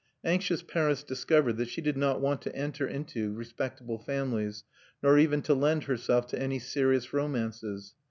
Anxious parents discovered that she did not want to enter into respectable families, nor even to lend herself to any serious romances.